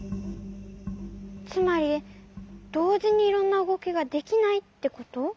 つまりどうじにいろんなうごきができないってこと？